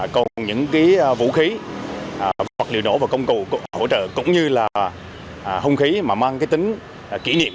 còn những vũ khí vật liệu nổ và công cụ hỗ trợ cũng như là hung khí mà mang cái tính kỷ niệm